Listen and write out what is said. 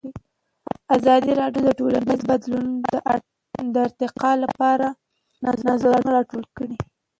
ازادي راډیو د ټولنیز بدلون د ارتقا لپاره نظرونه راټول کړي.